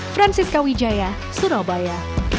francisca wijaya surabaya